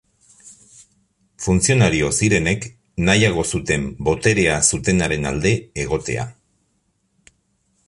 Funtzionario zirenek nahiago zuten boterea zutenaren alde egotea.